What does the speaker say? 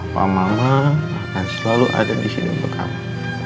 mama akan selalu ada disini untuk kamu